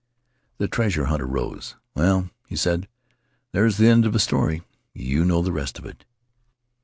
The treasure hunter rose. "Well," he said, "there's the end of the story. You know the rest of it."